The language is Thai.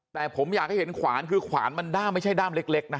แต่ผมอยากให้เห็นขวานคือขวานมันด้ามไม่ใช่ด้ามเล็กนะ